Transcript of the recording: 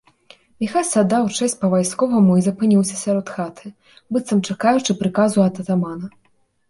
Міхась аддаў чэсць па-вайсковаму і запыніўся сярод хаты, быццам чакаючы прыказу ад атамана.